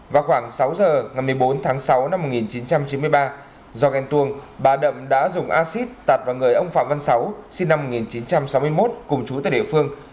vào khoảng sáu giờ ngày một mươi bốn tháng sáu năm một nghìn chín trăm chín mươi ba do ghen tuông bà đậm đã dùng acid tạt vào người ông phạm văn sáu sinh năm một nghìn chín trăm sáu mươi một cùng chú tại địa phương